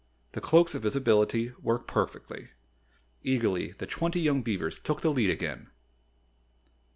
The Cloaks of Visibility worked perfectly. Eagerly the twenty young beavers took the lead again.